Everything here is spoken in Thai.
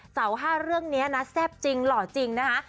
สาว๕เรื่องนี้นะแซ่บจริงหล่อจริงนะคะ